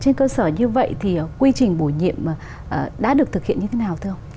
trên cơ sở như vậy thì quy trình bổ nhiệm đã được thực hiện như thế nào thưa ông